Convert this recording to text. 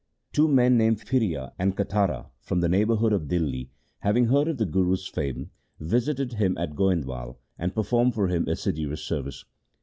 1 Two men named Phiria and Katara from the neighbourhood of Dihli having heard of the Guru's fame, visited him at Goindwal, and performed for him assiduous service.